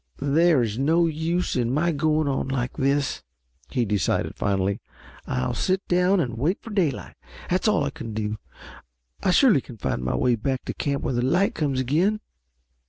"There is no use in my going on like this," he decided finally. "I'll sit down and wait for daylight. That's all I can do. I surely can find my way back to camp when the light comes again."